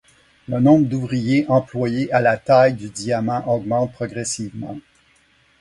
Le nombre d'ouvriers employés à la taille du diamant augmente progressivement.